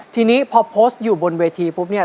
ทีนี้พอโพสต์อยู่บนเวทีปุ๊บเนี่ย